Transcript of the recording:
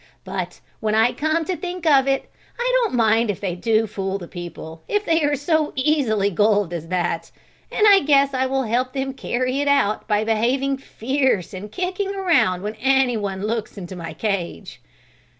But when I come to think of it, I don't mind if they do fool the people, if they are so easily gulled as that; and I guess I will help them carry it out by behaving fierce and kicking around when anyone looks into my cage."